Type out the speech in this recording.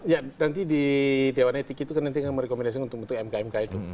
nanti di dewan etik itu kan nanti merekomendasikan untuk bentuk mkmk itu